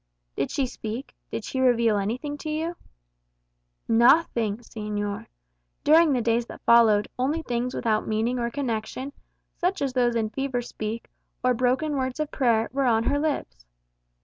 "Did she speak? Did she reveal anything to you?" "Nothing, señor. During the days that followed, only things without meaning or connection, such as those in fever speak, or broken words of prayer, were on her lips.